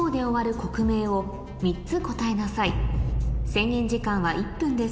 制限時間は１分です